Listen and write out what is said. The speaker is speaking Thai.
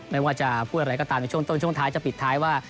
ไม่ว่าจะพูดอะไรก็ตามในช่วงต้นช่วงท้ายจะปิดท้ายว่า